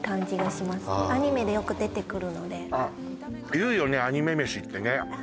言うよね、アニメめしってね。